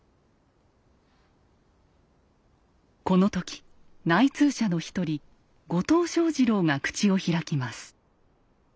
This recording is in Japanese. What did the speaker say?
この時内通者の１人後藤象二郎が口を開きます。